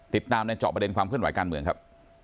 ติดตามในเจาะประเด็นความเคลื่อนไหวการเมืองครับ